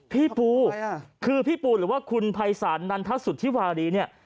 พี่ปูคือพี่ปูหรือว่าคุณภัยศาลนันทสุธิวารีเนี่ย